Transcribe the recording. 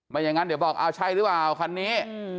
อย่างนั้นเดี๋ยวบอกเอาใช่หรือเปล่าคันนี้